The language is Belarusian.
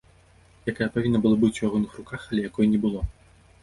Якая павінна была быць у ягоных руках, але якой не было.